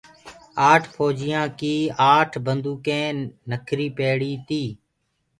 آٺ ڦوجِيآنٚ ڪي آٺ بنٚدوُڪينٚ نکريٚ پيڙيٚ تيٚ